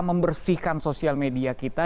membersihkan sosial media kita